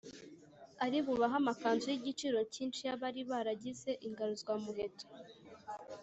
ari bubahe amakanzu y’igiciro cyinshi y’abari barabagize ingaruzwamuheto